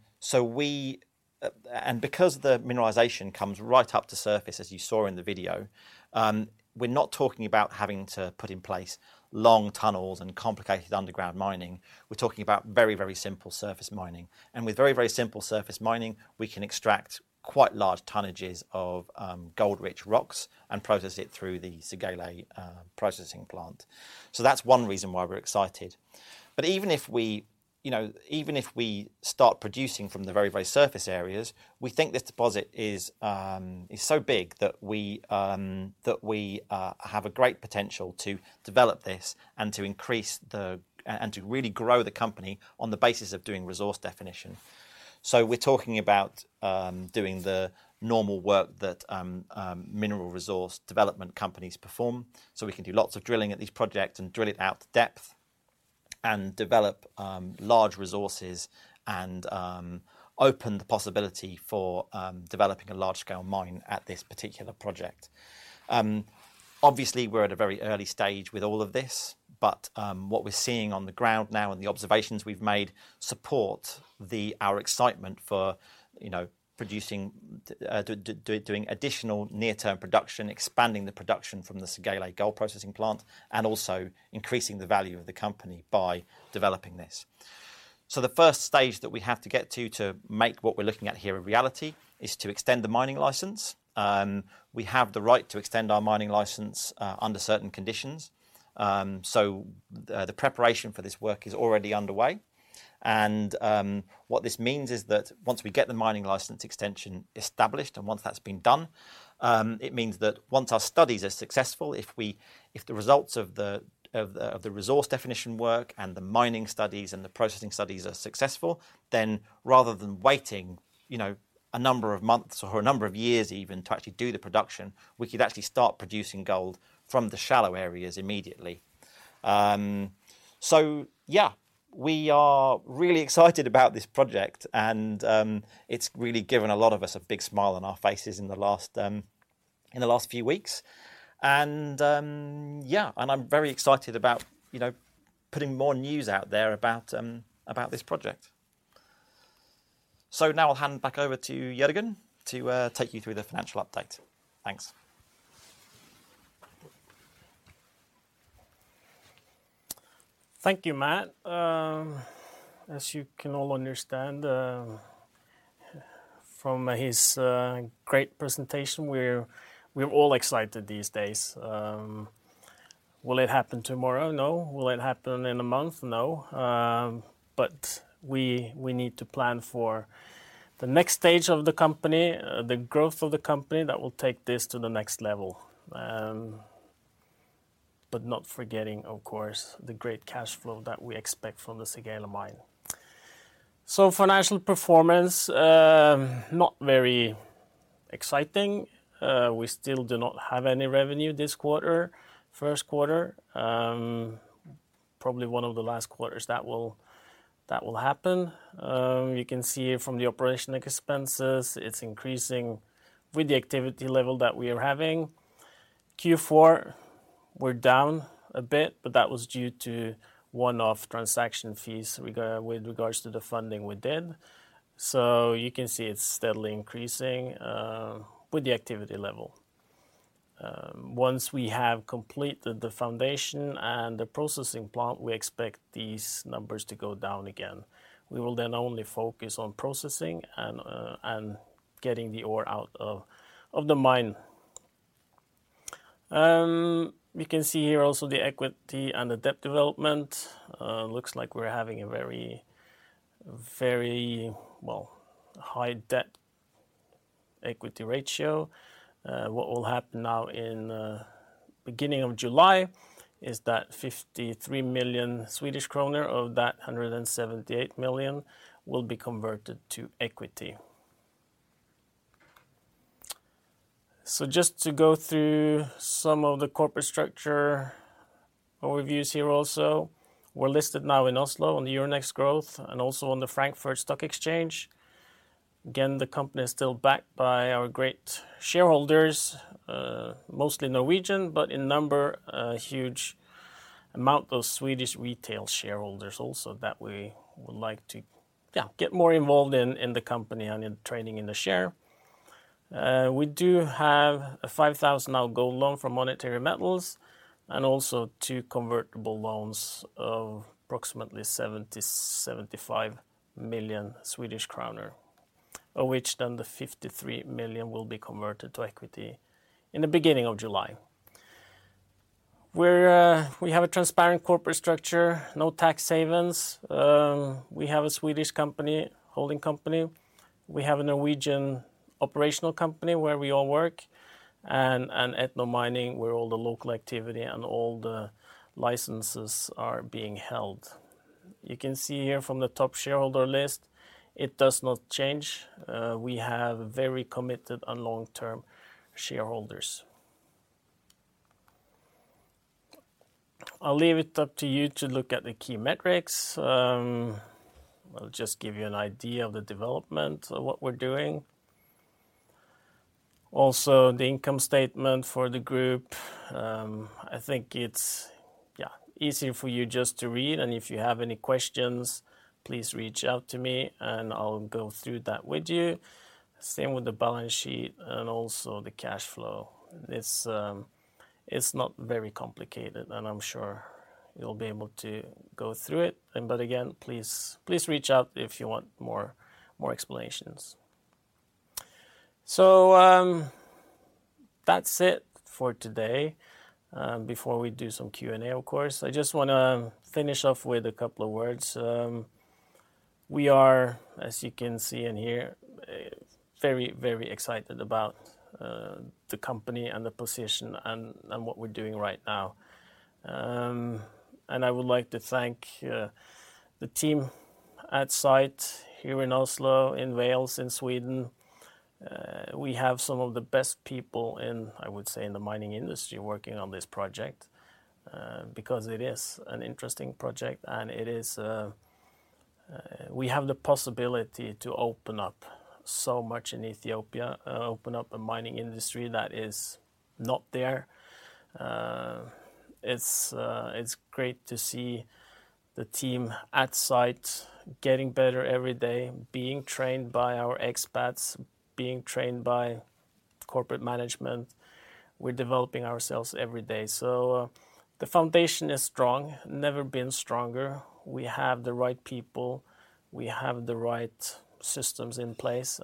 mineralization comes right up to surface, as you saw in the video, we're not talking about having to put in place long tunnels and complicated underground mining. We're talking about very, very simple surface mining. With very, very simple surface mining, we can extract quite large tonnages of gold-rich rocks and process it through the Segele processing plant. That's one reason why we're excited. Even if we… you know, even if we start producing from the very surface areas, we think this deposit is so big that we have a great potential to develop this and to really grow the company on the basis of doing resource definition. We're talking about doing the normal work that mineral resource development companies perform. We can do lots of drilling at this project and drill it out to depth, and develop large resources, and open the possibility for developing a large-scale mine at this particular project. Obviously, we're at a very early stage with all of this, but what we're seeing on the ground now and the observations we've made support our excitement for, you know, producing, doing additional near-term production, expanding the production from the Segele gold processing plant, and also increasing the value of the company by developing this. The first stage that we have to get to make what we're looking at here a reality, is to extend the mining license. We have the right to extend our mining license under certain conditions. The preparation for this work is already underway. What this means is that once we get the mining license extension established, once that's been done, it means that once our studies are successful, if the results of the resource definition work, and the mining studies, and the processing studies are successful, then rather than waiting, you know, a number of months or a number of years even to actually do the production, we could actually start producing gold from the shallow areas immediately. Yeah, we are really excited about this project, and it's really given a lot of us a big smile on our faces in the last few weeks. Yeah, I'm very excited about, you know, putting more news out there about this project. Now I'll hand back over to Jørgen to take you through the financial update. Thanks. Thank you, Matt. As you can all understand, from his great presentation, we're all excited these days. Will it happen tomorrow? No. Will it happen in a month? No. We need to plan for the next stage of the company, the growth of the company that will take this to the next level. Not forgetting, of course, the great cash flow that we expect from the Segele mine. Financial performance, not very exciting. We still do not have any revenue this quarter, Q1. Probably one of the last quarters that will happen. You can see it from the operational expenses, it's increasing with the activity level that we are having. Q4, we're down a bit, but that was due to one-off transaction fees with regards to the funding we did. You can see it's steadily increasing with the activity level. Once we have completed the foundation and the processing plant, we expect these numbers to go down again. We will then only focus on processing and getting the ore out of the mine. You can see here also the equity and the debt development. Looks like we're having a very high debt-equity ratio. What will happen now in beginning of July, is that 53 million Swedish kronor of that 178 million will be converted to equity. Just to go through some of the corporate structure overviews here also. We're listed now in Oslo, on the Euronext Growth, and also on the Frankfurt Stock Exchange. Again, the company is still backed by our great shareholders, mostly Norwegian, but in number, a huge amount of Swedish retail shareholders also that we would like to, yeah, get more involved in the company and in trading in the share. We do have a 5,000 gold loan from Monetary Metals, and also two convertible loans of approximately 70-75 million Swedish krona, of which then the 53 million Swedish krona will be converted to equity in the beginning of July. We have a transparent corporate structure, no tax savings. We have a Swedish company, holding company. We have a Norwegian operational company where we all work, and Etno Mining, where all the local activity and all the licenses are being held. You can see here from the top shareholder list, it does not change. We have very committed and long-term shareholders. I'll leave it up to you to look at the key metrics. I'll just give you an idea of the development of what we're doing. Also, the income statement for the group, I think it's, yeah, easier for you just to read, and if you have any questions, please reach out to me, and I'll go through that with you. Same with the balance sheet and also the cash flow. It's not very complicated, and I'm sure you'll be able to go through it. But again, please reach out if you want more explanations. That's it for today. Before we do some Q&A, of course, I just wanna finish off with a couple of words. We are, as you can see in here, very, very excited about the company and the position and what we're doing right now. I would like to thank the team at site here in Oslo, in Wales, in Sweden. We have some of the best people in, I would say, in the mining industry working on this project, because it is an interesting project, and it is... We have the possibility to open up so much in Ethiopia, open up a mining industry that is not there. It's, it's great to see the team at site getting better every day, being trained by our expats, being trained by corporate management. We're developing ourselves every day. The foundation is strong, never been stronger. We have the right people, we have the right systems in place,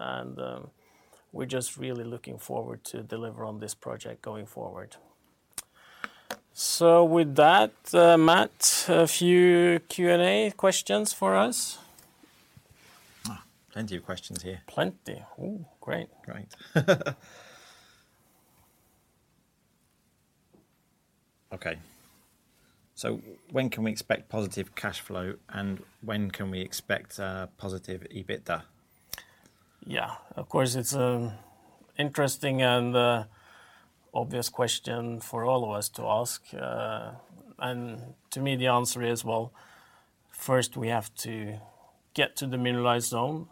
we're just really looking forward to deliver on this project going forward. With that, Matt, a few Q&A questions for us? Plenty of questions here. Plenty. Ooh, great! Great. Okay. When can we expect positive cash flow, and when can we expect positive EBITDA? Yeah, of course, it's interesting and obvious question for all of us to ask. To me, the answer is, well, first we have to get to the mineralized zone.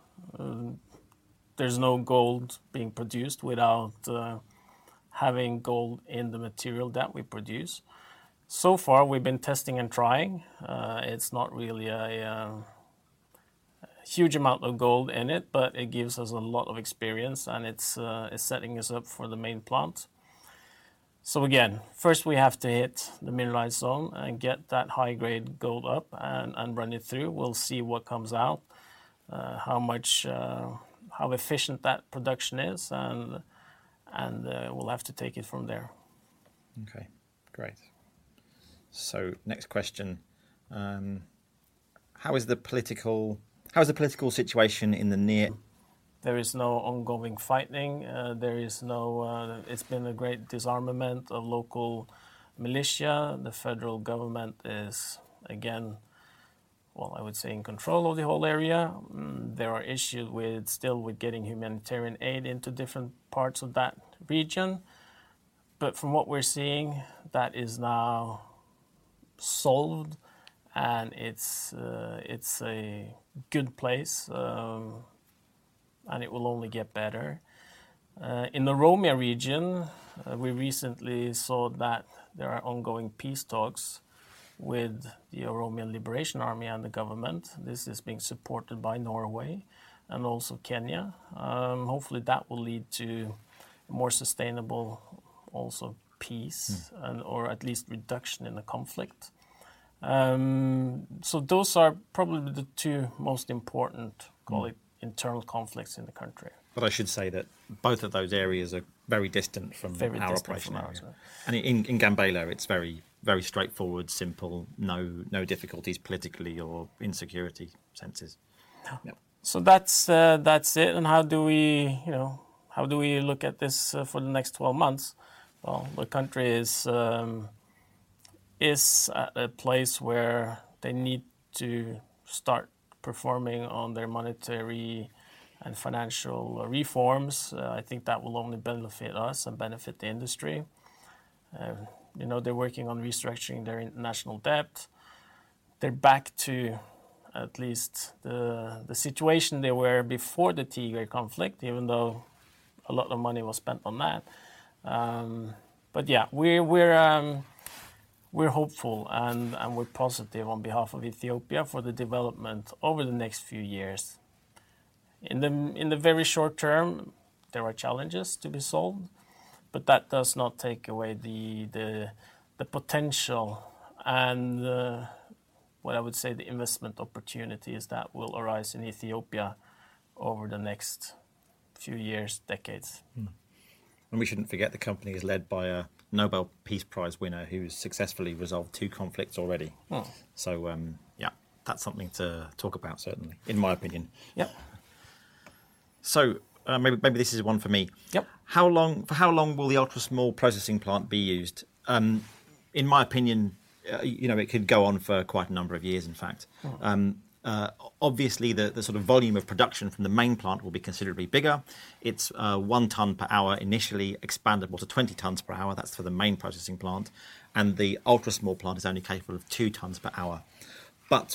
There's no gold being produced without having gold in the material that we produce. So far, we've been testing and trying. It's not really a huge amount of gold in it, but it gives us a lot of experience, and it's setting us up for the main plant. Again, first we have to hit the mineralized zone and get that high-grade gold up and run it through. We'll see what comes out, how much, how efficient that production is, and we'll have to take it from there. Okay, great. Next question. How is the political situation in the near? There is no ongoing fighting. It's been a great disarmament of local militia. The federal government is, again, well, I would say, in control of the whole area. There are issues with, still with getting humanitarian aid into different parts of that region. From what we're seeing, that is now solved, and it's a good place, and it will only get better. In the Oromia region, we recently saw that there are ongoing peace talks with the Oromo Liberation Army and the government. This is being supported by Norway and also Kenya. Hopefully, that will lead to more sustainable, also. Peace... and/or at least reduction in the conflict. Those are probably the two most. Mm... call it, internal conflicts in the country. I should say that both of those areas are very distant. Very distant from our area.... our operation. In Gambella, it's very, very straightforward, simple, no difficulties politically or in security senses. No. Yeah. That's, that's it, and how do we, you know, how do we look at this for the next 12 months? Well, the country is at a place where they need to start performing on their monetary and financial reforms. I think that will only benefit us and benefit the industry. You know, they're working on restructuring their international debt. They're back to at least the situation they were before the Tigray conflict, even though a lot of money was spent on that. Yeah, we're hopeful and we're positive on behalf of Ethiopia for the development over the next few years. In the very short term, there are challenges to be solved. That does not take away the potential and the, what I would say, the investment opportunities that will arise in Ethiopia over the next few years, decades. We shouldn't forget the company is led by a Nobel Peace Prize winner who has successfully resolved two conflicts already. Mm. Yeah, that's something to talk about, certainly, in my opinion. Yep. Maybe this is one for me. Yep. For how long will the ultra-small processing plant be used? In my opinion, you know, it could go on for quite a number of years, in fact. Mm. Obviously, the sort of volume of production from the main plant will be considerably bigger. It's 1 ton per hour, initially expandable to 20 tons per hour. That's for the main processing plant, the ultra-small plant is only capable of 2 tons per hour.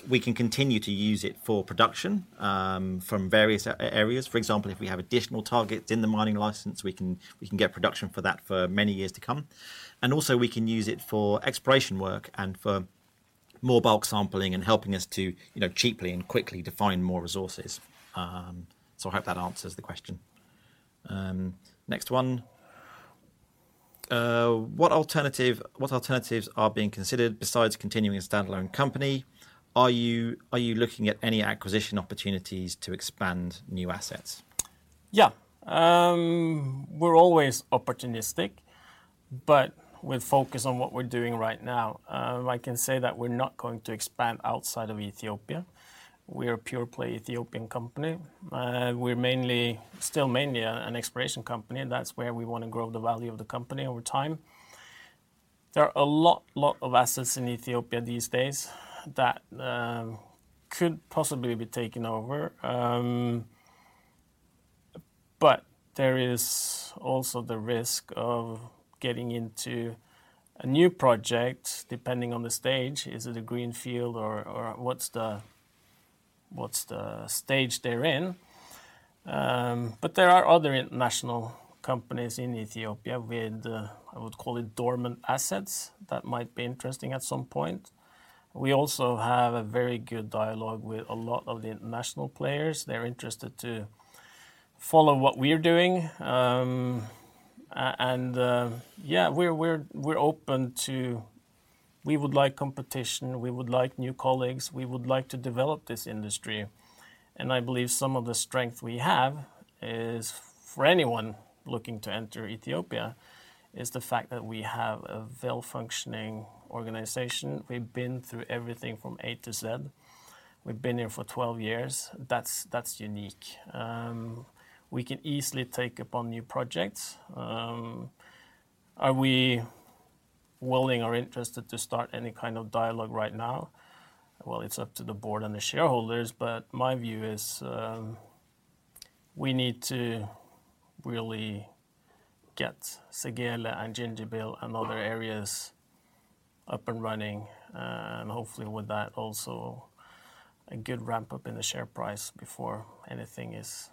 We can continue to use it for production from various areas. For example, if we have additional targets in the mining license, we can get production for that for many years to come. Also, we can use it for exploration work and for more bulk sampling and helping us to, you know, cheaply and quickly define more resources. I hope that answers the question. Next one. What alternatives are being considered besides continuing a standalone company? Are you looking at any acquisition opportunities to expand new assets? Yeah. We're always opportunistic, but we're focused on what we're doing right now. I can say that we're not going to expand outside of Ethiopia. We're a pure play Ethiopian company. We're still mainly an exploration company, and that's where we want to grow the value of the company over time. There are a lot of assets in Ethiopia these days that, could possibly be taken over. There is also the risk of getting into a new project, depending on the stage. Is it a greenfield or what's the stage they're in? There are other international companies in Ethiopia with, I would call it dormant assets that might be interesting at some point. We also have a very good dialogue with a lot of the international players. They're interested to follow what we're doing. We're open to... We would like competition, we would like new colleagues, we would like to develop this industry. I believe some of the strength we have is, for anyone looking to enter Ethiopia, is the fact that we have a well-functioning organization. We've been through everything from A to Z. We've been here for 12 years. That's unique. We can easily take up on new projects. Are we willing or interested to start any kind of dialogue right now? Well, it's up to the board and the shareholders, but my view is, we need to really get Segele and Gingerbil and other areas up and running. Hopefully with that, also a good ramp-up in the share price before anything is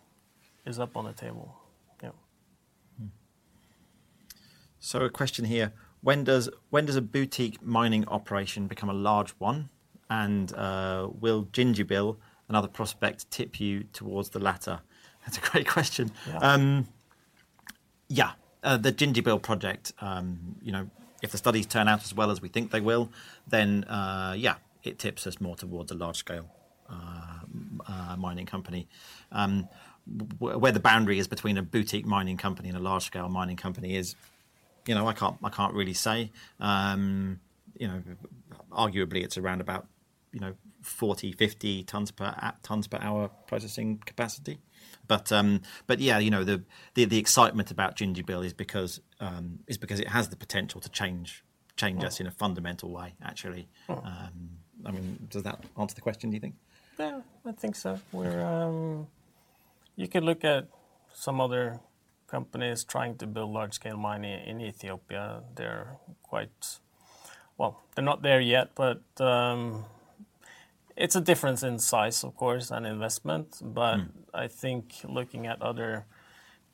up on the table. Yeah. A question here: When does a boutique mining operation become a large one? Will Gingerbil and other prospects tip you towards the latter? That's a great question. Yeah. Yeah. The Gingerbil project, you know, if the studies turn out as well as we think they will, then, yeah, it tips us more towards a large-scale mining company. Where the boundary is between a boutique mining company and a large-scale mining company is, you know, I can't really say. You know, arguably, it's around about, you know, 40, 50 tons per hour processing capacity. but yeah, you know, the excitement about Gingerbil is because it has the potential to change- Yeah change us in a fundamental way, actually. Mm. I mean, does that answer the question, do you think? Yeah, I think so. We're You can look at some other companies trying to build large-scale mining in Ethiopia. Well, they're not there yet, but it's a difference in size, of course, and investment. Mm. I think looking at other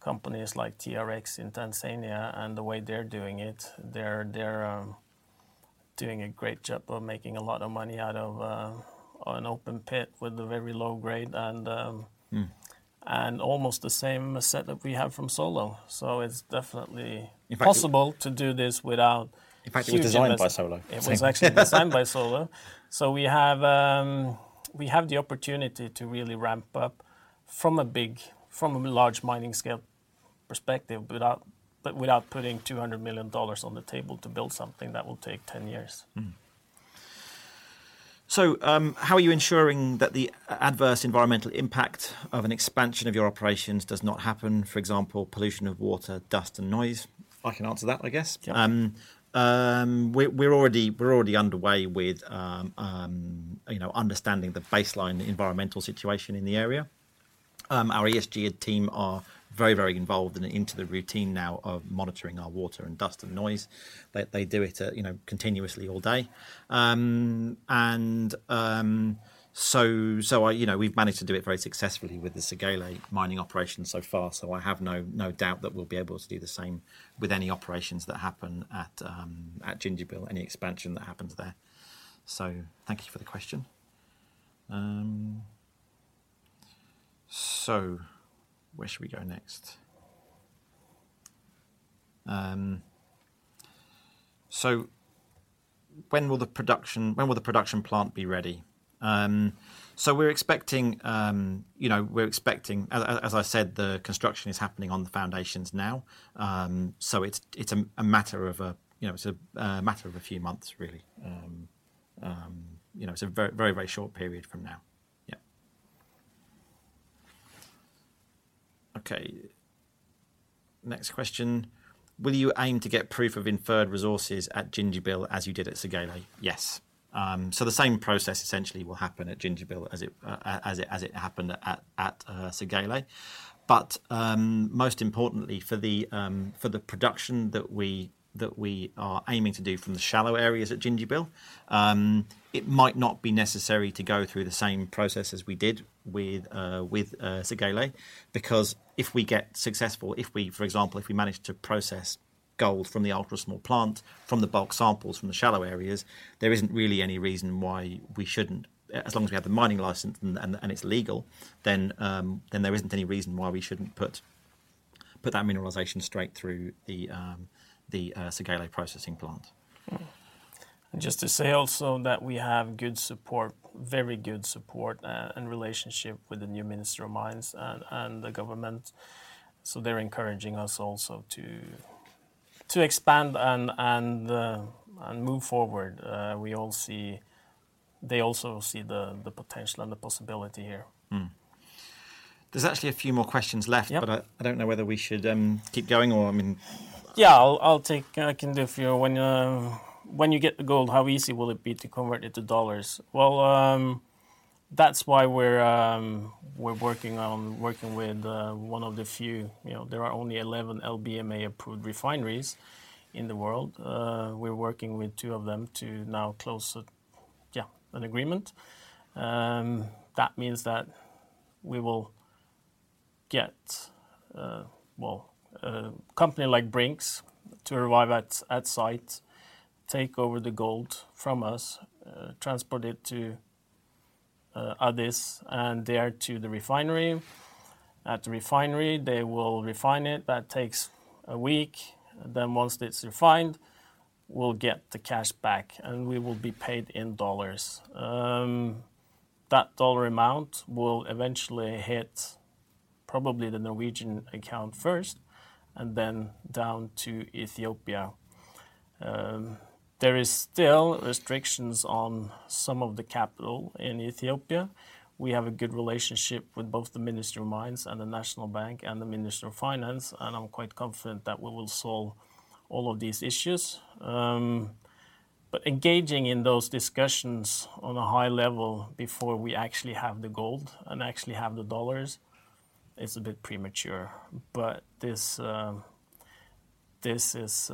companies like TRX in Tanzania and the way they're doing it, they're doing a great job of making a lot of money out of an open pit with a very low grade. Mm... and almost the same setup we have from Solo. In fact- possible to do this without- In fact, it was designed by Solo. It was actually designed by Solo. We have the opportunity to really ramp up from a large mining scale perspective, without putting $200 million on the table to build something that will take 10 years. How are you ensuring that adverse environmental impact of an expansion of your operations does not happen? For example, pollution of water, dust, and noise. I can answer that, I guess. Yeah. We're already underway with, you know, understanding the baseline environmental situation in the area. Our ESG team are very, very involved and into the routine now of monitoring our water, and dust, and noise. They do it, you know, continuously all day. You know, we've managed to do it very successfully with the Segele mining operation so far, so I have no doubt that we'll be able to do the same with any operations that happen at Gingerbil, any expansion that happens there. Thank you for the question. Where should we go next? When will the production plant be ready? We're expecting, you know, we're expecting. As I said, the construction is happening on the foundations now. It's a matter of a, you know, a matter of a few months, really. You know, it's a very short period from now. Okay, next question: Will you aim to get proof of inferred resources at Gingerbil as you did at Segele? Yes. The same process essentially will happen at Gingerbil as it happened at Segele. Most importantly, for the production that we are aiming to do from the shallow areas at Gingerbil, it might not be necessary to go through the same process as we did with Segele. If we get successful, if we, for example, if we manage to process gold from the ultra-small plant, from the bulk samples, from the shallow areas, there isn't really any reason why we shouldn't. As long as we have the mining license and it's legal, then there isn't any reason why we shouldn't.... put that mineralization straight through the Segele processing plant. Mm. Just to say also that we have good support, very good support, and relationship with the new Minister of Mines and the government. They're encouraging us also to expand and move forward. They also see the potential and the possibility here. There's actually a few more questions left. Yep I don't know whether we should keep going or. Yeah, I'll take, I can do a few. When you get the gold, how easy will it be to convert it to dollars? Well, that's why we're working with one of the few, you know, there are only 11 LBMA-approved refineries in the world. We're working with two of them to now close an agreement. That means that we will get, well, a company like Brink's to arrive at site, take over the gold from us, transport it to Addis, and there to the refinery. At the refinery, they will refine it. That takes a week. Once it's refined, we'll get the cash back, and we will be paid in dollars. That dollar amount will eventually hit probably the Norwegian account first, then down to Ethiopia. There is still restrictions on some of the capital in Ethiopia. We have a good relationship with both the Ministry of Mines and the National Bank, and the Ministry of Finance. I'm quite confident that we will solve all of these issues. Engaging in those discussions on a high level before we actually have the gold and actually have the dollars, is a bit premature. This is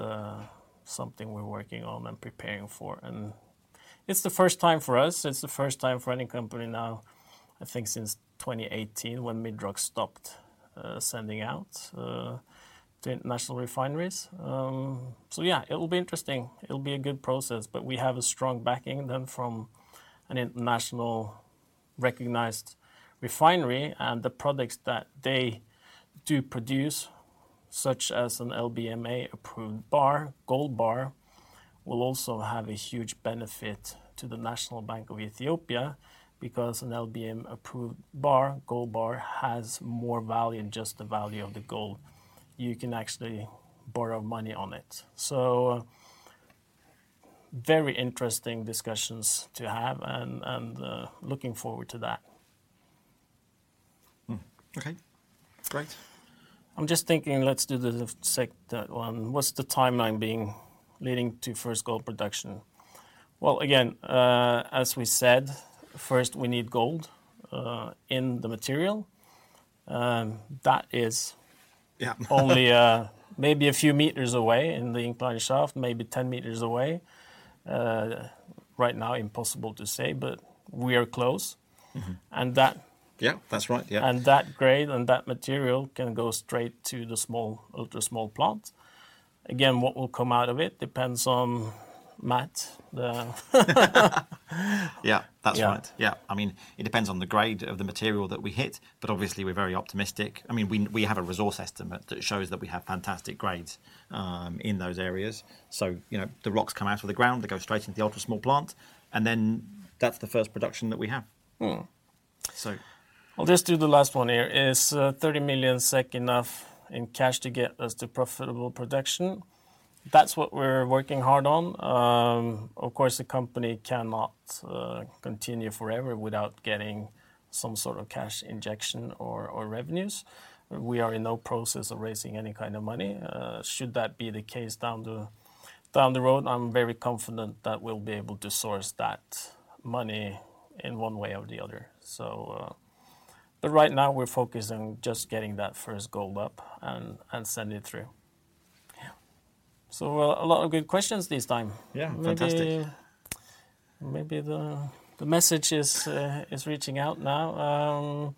something we're working on and preparing for, and it's the first time for us. It's the first time for any company now, I think, since 2018, when MIDROC stopped sending out to international refineries. Yeah, it will be interesting. It'll be a good process. We have a strong backing then from an internationally recognized refinery. The products that they do produce, such as an LBMA-approved bar, gold bar, will also have a huge benefit to the National Bank of Ethiopia, because an LBMA-approved bar, gold bar, has more value than just the value of the gold. You can actually borrow money on it. Very interesting discussions to have, and looking forward to that. Okay, great. I'm just thinking, what's the timeline being, leading to first gold production? Well, again, as we said, first, we need gold in the material. Yeah.... only, maybe a few meters away in the incline shaft, maybe 10 meters away. Right now, impossible to say, but we are close. Mm-hmm. And that- Yeah, that's right. Yeah. That grade and that material can go straight to the small, ultra-small plant. Again, what will come out of it depends on Matt, the... Yeah, that's right. Yeah. Yeah. I mean, it depends on the grade of the material that we hit, but obviously, we're very optimistic. I mean, we have a resource estimate that shows that we have fantastic grades, in those areas. you know, the rocks come out of the ground, they go straight into the ultra-small plant, and then that's the first production that we have. Mm. So... I'll just do the last one here. Is 30 million SEK enough in cash to get us to profitable production? That's what we're working hard on. Of course, the company cannot continue forever without getting some sort of cash injection or revenues. We are in no process of raising any kind of money. Should that be the case down the road, I'm very confident that we'll be able to source that money in one way or the other. Right now, we're focused on just getting that first gold up and send it through. Yeah. A lot of good questions this time. Yeah, fantastic. Maybe the message is reaching out now.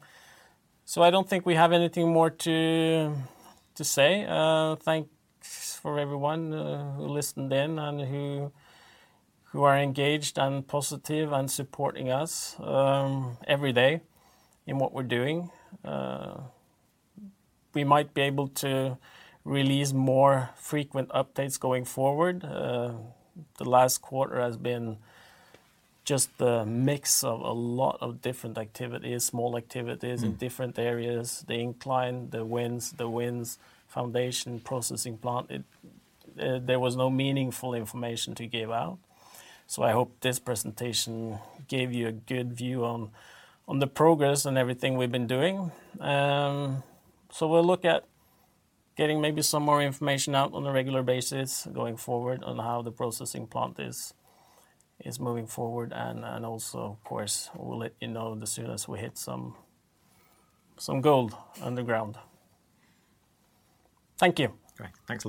I don't think we have anything more to say. Thanks for everyone who listened in and who are engaged, and positive, and supporting us every day in what we're doing. We might be able to release more frequent updates going forward. The last quarter has been just a mix of a lot of different activities, small activities- Mm... in different areas: the incline, the winzes, the winzes foundation, processing plant. It, there was no meaningful information to give out, so I hope this presentation gave you a good view on the progress and everything we've been doing. We'll look at getting maybe some more information out on a regular basis going forward on how the processing plant is moving forward, and also, of course, we'll let you know as soon as we hit some gold underground. Thank you. Great. Thank you.